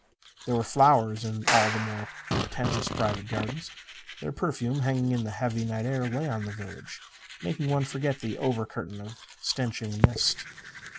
There were flowers in all the more pretentious private gardens. Their perfume, hanging in the heavy night air, lay on the village, making one forget the over curtain of stenching mist.